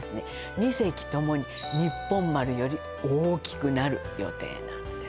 ２隻ともににっぽん丸より大きくなる予定なんです